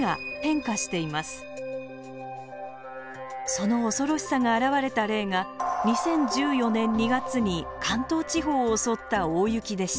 その恐ろしさが表れた例が２０１４年２月に関東地方を襲った大雪でした。